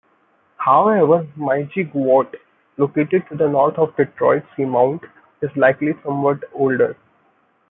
However, Meiji Guyot, located to the north of Detroit Seamount, is likely somewhat older.